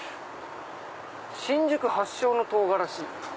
「新宿発祥の唐辛子！」。